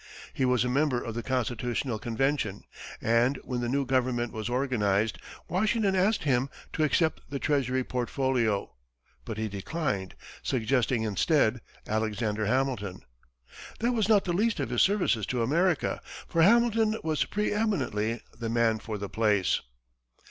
He was a member of the Constitutional Convention, and when the new government was organized, Washington asked him to accept the treasury portfolio, but he declined, suggesting instead Alexander Hamilton. That was not the least of his services to America, for Hamilton was preëminently the man for the place.